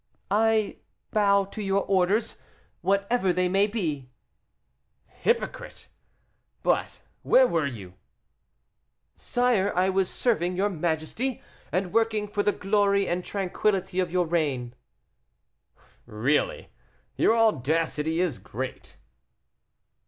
"I bow to your orders, whatever they may be." "Hypocrite! But where were you?" "Sire, I was serving your majesty, and working for the glory and tranquillity of your reign." "Really! your audacity is great."